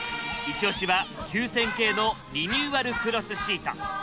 イチオシは９０００系のリニューアルクロスシート。